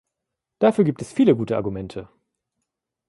Dafür gibt es viele gute Argumente.